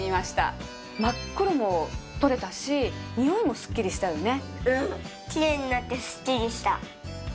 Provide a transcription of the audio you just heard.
真っ黒も取れたしにおいもスッキリしたよね？